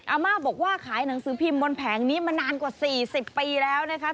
อาม่าบอกว่าขายหนังสือพิมพ์บนแผงนี้มานานกว่า๔๐ปีแล้วนะคะ